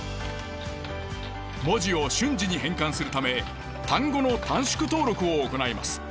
文字を瞬時に変換するため単語の短縮登録を行います。